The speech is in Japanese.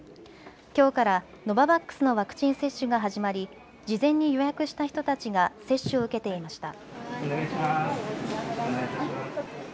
きょうからノババックスのワクチン接種が始まり事前に予約した人たちが接種を受けていました。